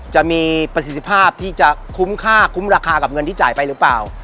จะมีประสิทธิภาพที่จะคุ้มค่าคุ้มราคากับเงินที่จ่ายไปหรือเปล่า